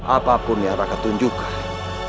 apapun yang raka tunjukkan